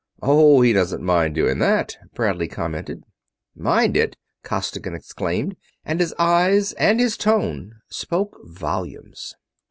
"Oh, he doesn't mind doing that," Bradley commented. "Mind it!" Costigan exclaimed, and his eyes and his tone spoke volumes.